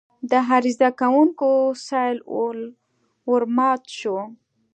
د عریضه کوونکو سېل ورمات شو.